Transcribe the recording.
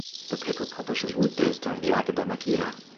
The paper publishes weekdays during the academic year.